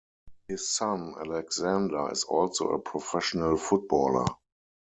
His son Alexander is also a professional footballer.